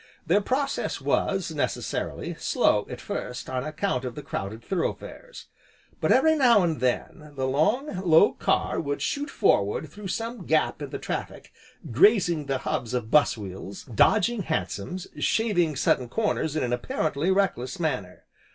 Their process was, necessarily, slow at first, on account of the crowded thoroughfares. But, every now and then, the long, low car would shoot forward through some gap in the traffic, grazing the hubs of bus wheels, dodging hansoms, shaving sudden corners in an apparently reckless manner.